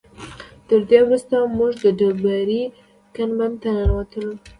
تر دې وروسته موږ د ډبرې ګنبدې ته ننوتلو.